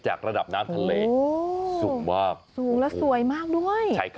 ระดับน้ำทะเลสูงมากสูงแล้วสวยมากด้วย